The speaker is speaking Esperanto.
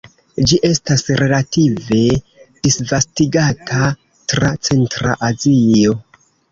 Ĝi estas relative disvastigata tra centra Azio.